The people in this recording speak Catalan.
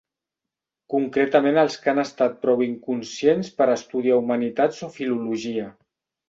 Concretament als que han estat prou inconscients per estudiar Humanitats o Filologia.